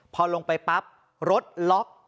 พอลงไปปั๊บรถล็อก